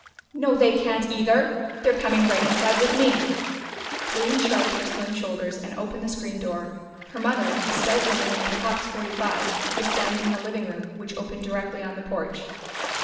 "No, they can't, either! They're coming right inside with me!" Corinne shrugged her slim shoulders and opened the screen door. Her mother, a stout woman of perhaps forty five, was standing in the living room, which opened directly on the porch.